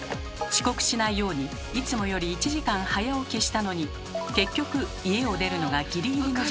遅刻しないようにいつもより１時間早起きしたのに結局家を出るのがギリギリの時間になってしまう。